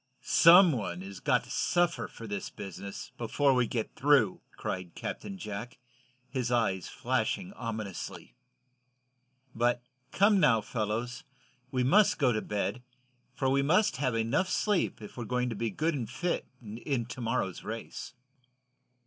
"Some one has got to suffer for this business, before we get through!" cried Captain Jack, his eyes flashing ominously. "But come, now, fellows, we must go to bed, for we must have enough sleep if we're to be good and fit in to morrow's race."